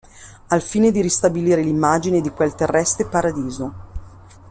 Al fine di ristabilire l'immagine di quel terrestre paradiso.